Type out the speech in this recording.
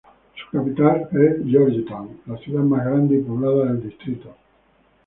Su capital es Georgetown, la ciudad más grande y poblada del distrito.